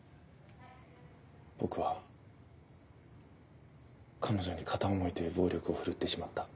僕は彼女に片思いという暴力を振るってしまった。